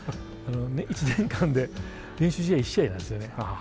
１年間で練習試合１試合なんですよね。